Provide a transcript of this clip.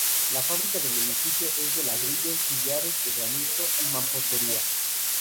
La fábrica del edificio es de ladrillo, sillares de granito y mampostería.